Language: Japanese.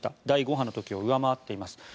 第５波の時を上回っています。